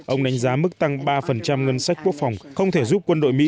ông đánh giá mức tăng ba ngân sách quốc phòng không thể giúp quân đội mỹ